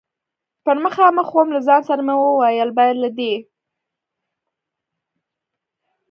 پر مخامخ ووم، له ځان سره مې وویل: باید له دې.